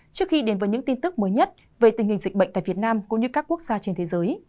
trước khi đến với những tin tức mới nhất về tình hình dịch bệnh tại việt nam cũng như các quốc gia trên thế giới